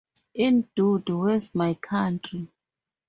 In Dude, Where's My Country?